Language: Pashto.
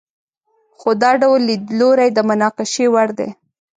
خو دا ډول لیدلوری د مناقشې وړ دی.